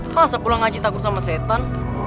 masa pulang aja takut sama setan